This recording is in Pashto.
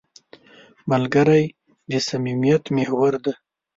ملګری د صمیمیت محور دی